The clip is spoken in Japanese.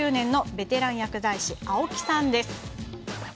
ベテラン薬剤師・青木さんです。